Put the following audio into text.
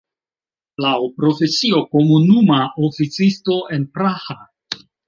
Laŭ profesio komunuma oficisto en Praha.